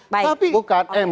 tapi bukan mk